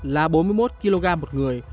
là bốn mươi một kg một người